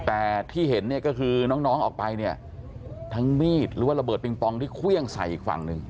แต่ที่เห็นเนี่ยก็คือน้องออกไปเนี่ยทั้งมีดหรือว่าระเบิดปิงปองที่เครื่องใส่อีกฝั่งหนึ่ง